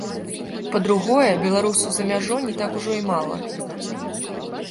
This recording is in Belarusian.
Па-другое, беларусаў за мяжой не так ужо і мала.